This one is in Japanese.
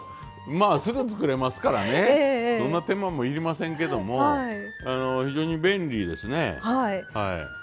まあすぐ作れますからねそんな手間も要りませんけども非常に便利ですね。